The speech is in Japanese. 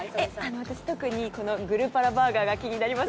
グルパラバーガーが気になります。